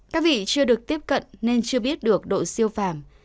các vị chưa được tiếp cận nên chưa biết được độ siêu phạm